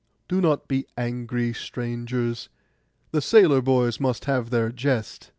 'Do not be angry, strangers; the sailor boys must have their jest.